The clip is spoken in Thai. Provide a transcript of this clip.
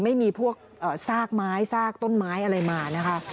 ไม่มีพวกซากไม้ซากต้นไม้อะไรมานะคะ